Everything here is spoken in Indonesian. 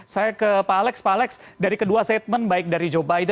saya ke pak alex pak alex dari kedua statement baik dari joe biden